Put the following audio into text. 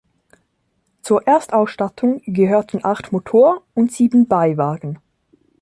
Zur Erstausstattung gehörten acht Motor- und sieben Beiwagen.